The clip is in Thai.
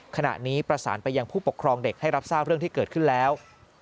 ขณะนี้ประสานไปยังผู้ปกครองเด็กให้รับทราบเรื่องที่เกิดขึ้นแล้ว